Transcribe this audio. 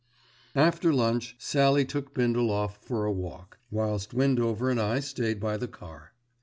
After lunch Sallie took Bindle off for a walk, whilst Windover and I stayed by the car.